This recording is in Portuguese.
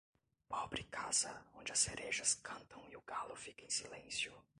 Pobre casa, onde as cerejas cantam e o galo fica em silêncio.